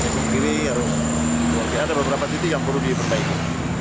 jadi ini harus ya ada beberapa titik yang perlu diperbaiki